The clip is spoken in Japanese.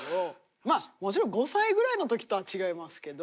まあもちろん５歳ぐらいの時とは違いますけど。